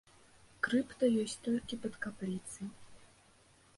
Крыпта ёсць толькі пад капліцай.